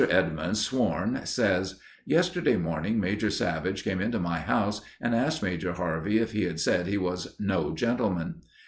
Edmunds sworn, says—"Yesterday morning Major Savage came into my house and asked Major Harvey if he had said he was no gentleman.